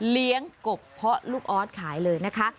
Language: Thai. เลี้ยงกบเพาะลูกออสขายเลยนะคะ